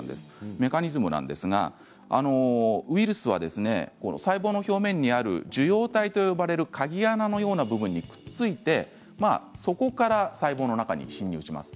メカニズムなんですがウイルスは細胞の表面にある受容体と呼ばれる鍵穴のような部分にくっついてそこから細胞の中に侵入します。